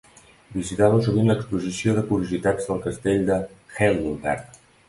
Visitava sovint l'exposició de curiositats del Castell de Heidelberg.